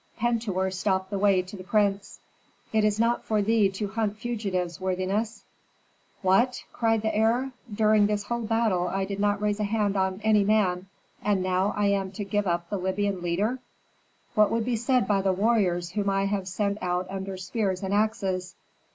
Pentuer stopped the way to the prince. "It is not for thee to hunt fugitives, worthiness." "What?" cried the heir. "During this whole battle I did not raise a hand on any man, and now I am to give up the Libyan leader? What would be said by the warriors whom I have sent out under spears and axes?"